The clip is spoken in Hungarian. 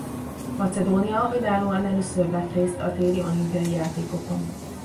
Macedónia önállóan először vett részt a téli olimpiai játékokon.